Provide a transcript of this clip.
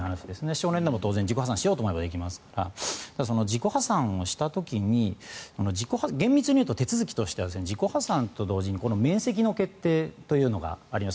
少年も当然自己破産しようと思えばできますから自己破産した時に厳密に言うと手続きとして自己破産と同時に免責の決定というのがあります。